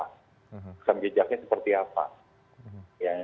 pesan jejaknya seperti apa